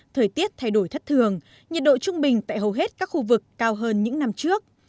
thời tiết thay đổi thất thường nhiệt độ trung bình tại hầu hết các khu vực cao hơn những năm trước